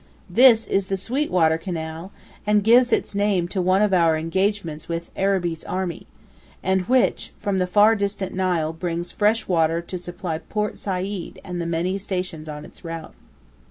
This is the "sweet water" canal, and gives its name to one of our engagements with Arabi's army, and which, from the far distant Nile, brings fresh water to supply Port Said and the many stations on its route.